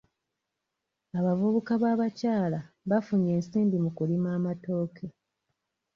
Abavubuka b'abakyala bafunye ensimbi mu kulima amatooke.